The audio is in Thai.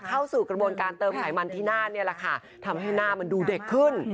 เข้าสู่กระบวนการเติมไขมันที่หน้านี่แหละค่ะทำให้หน้ามันดูเด็กขึ้น